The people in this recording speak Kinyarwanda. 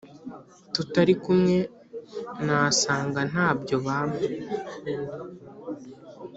tutari kumwe nasanga ntabyo bampa